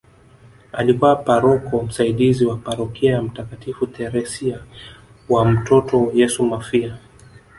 Alikuwa paroko msaidizi wa parokia ya mtakatifu Theresia wa mtoto Yesu Mafia